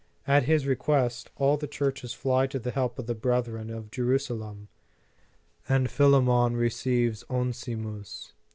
At his request, all the churches fly to the help of the brethren of Jerusalem, and Philemon receives Onesimus.